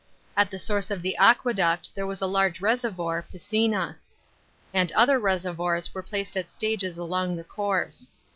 At the source of the aqueduct there was a large reservoir (piscina), and other reservoirs were placed at stages along the course.